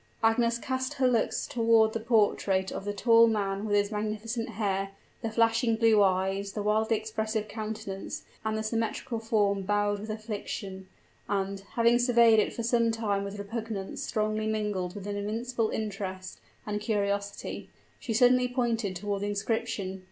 Agnes cast her looks toward the portrait of the tall man with the magnificent hair, the flashing blue eyes, the wildly expressive countenance, and the symmetrical form bowed with affliction; and, having surveyed it for some time with repugnance strongly mingled with an invincible interest and curiosity, she suddenly pointed toward the inscription.